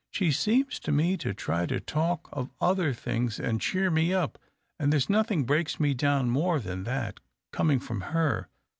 She seems to me to try to talk of other things, and cheer me up, and there's nothing lireaks me down more than that, coming from her.